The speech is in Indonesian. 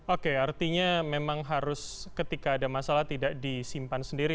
oke artinya memang harus ketika ada masalah tidak disimpan sendiri